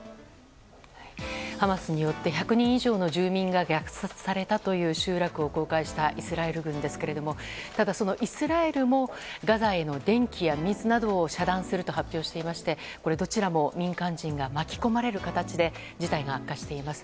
ハマスによって１００人以上の住民が虐殺されたという集落を公開したイスラエル軍ですけれどもただ、イスラエルもガザへの電気や水などを遮断すると発表していましてどちらも民間人が巻き込まれる形で事態が悪化しています。